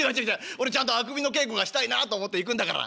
俺ちゃんとあくびの稽古がしたいなと思って行くんだから。